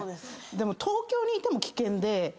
でも東京にいても危険で。